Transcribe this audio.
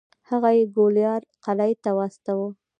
هغه یې ګوالیار قلعې ته واستوه.